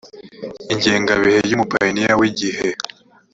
ingengabihe y umupayiniya w igihe